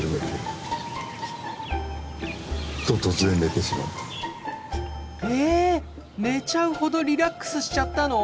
寝ちゃうほどリラックスしちゃったの？